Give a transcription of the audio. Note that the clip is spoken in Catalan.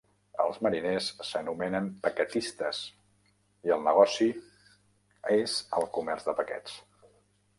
Els mariners s'anomenen paquetistes, i el negoci és el comerç de paquets.